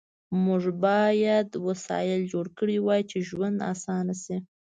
موږ باید وسایل جوړ کړي وای چې ژوند آسانه شي